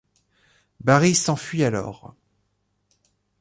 Barry s'enfuit alors.